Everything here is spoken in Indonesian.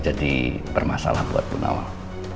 jadi bermasalah buat bunawang